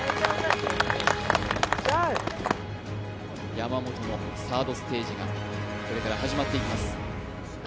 山本のサードステージがこれから始まっていきます。